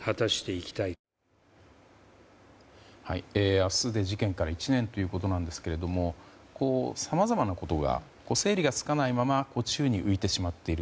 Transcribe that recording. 明日で事件から１年ということなんですがさまざまなことが整理がつかないまま宙に浮いてしまっている。